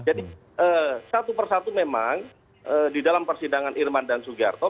jadi satu persatu memang di dalam persidangan irman dan sugiharto